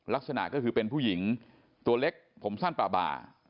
ลักษณะก็คือเป็นผู้หญิงตัวเล็กผมสั้นปลาบา